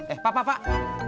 eh pak pak